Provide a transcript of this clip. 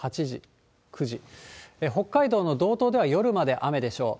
北海道の道東では夜まで雨でしょう。